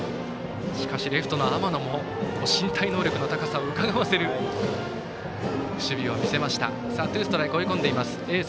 しかし、レフトの天野も身体能力の高さをうかがわせる守備を見せました。